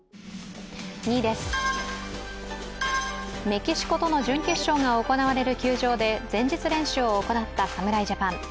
２位です、メキシコとの準決勝が行われる球場で前日練習を行った、侍ジャパン。